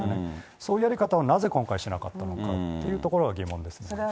そういうやり方をなぜ今回しなかったのかと、疑問です。